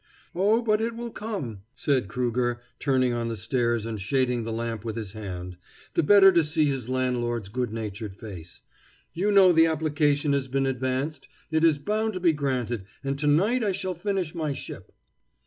"Oh, but it will come," said Krueger, turning on the stairs and shading the lamp with his hand, the better to see his landlord's good natured face; "you know the application has been advanced. It is bound to be granted, and to night I shall finish my ship."